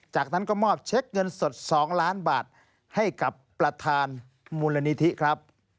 จากนั้นก็มอบเช็คเงินสด๒ล้านบาทให้กับประธานมูลนิธิครับ